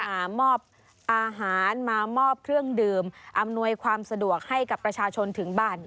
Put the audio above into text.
มามอบอาหารมามอบเครื่องดื่มอำนวยความสะดวกให้กับประชาชนถึงบ้าน